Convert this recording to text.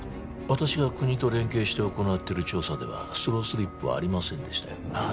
私が国と連携して行ってる調査ではスロースリップはありませんでしたよああ